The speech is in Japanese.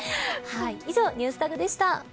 以上、ＮｅｗｓＴａｇでした。